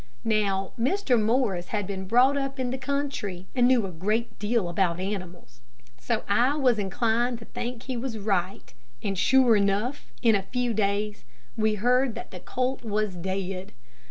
Now, Mr. Morris had been brought up in the country, and knew a great deal about animals, so I was inclined to think he was right. And sure enough, in a few days, we heard that the colt was dead.